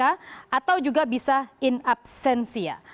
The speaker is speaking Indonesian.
atau juga bisa in absensia